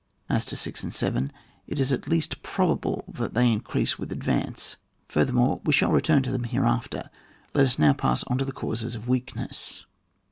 As to six and seven, it is at least pro bable that they increase with the ad vance ; furthermore, we shall return to them hereafter. Let us now pass on to the causes of weakness.